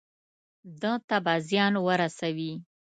ده ته به زیان ورسوي.